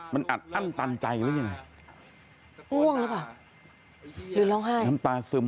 มันอัดอั้นตันใจหรือยังไงง่วงหรือเปล่าหรือร้องไห้น้ำตาซึม